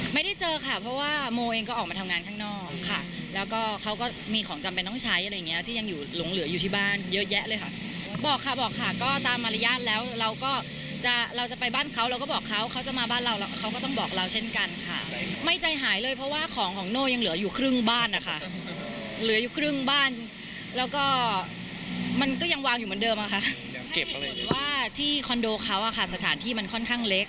มันก็ยังวางอยู่เหมือนเดิมว่าที่คอนโดเค้าค่ะสถานที่มันค่อนข้างเล็ก